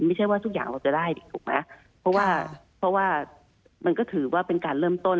ไม่ใช่ว่าทุกอย่างเราจะได้ถูกไหมเพราะว่าเพราะว่ามันก็ถือว่าเป็นการเริ่มต้น